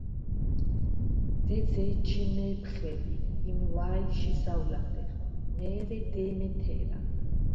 დეც ეჯჟი მე̄ფხე ლი, იმუ̂ა̄̈ჲჟი ზაუ̂ლადეღ, მე̄რე დე̄მე თერა.